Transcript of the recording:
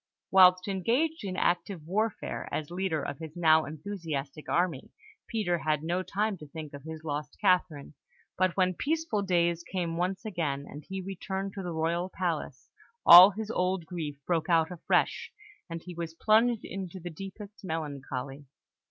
Whilst engaged in active warfare, as leader of his now enthusiastic army, Peter had no time to think of his lost Catherine; but when peaceful days came once again, and he returned to the royal palace, all his old grief broke out afresh, and he was plunged into the deepest melancholy.